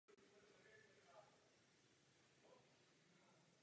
Celá hra se odehrává z pohledu první osoby.